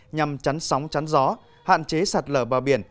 nhằm trắng sóng trắng gió hạn chế sạt lở bờ biển